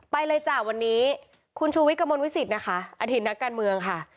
ไปเลยจ้ะวันนี้คุณชูวิทย์กระมวลวิสิตนะคะอดีตนักการเมืองค่ะ